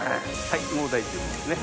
はいもう大丈夫ですね。